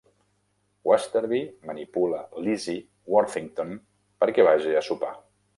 Westerby manipula Lizzie Worthington perquè vagi a sopar.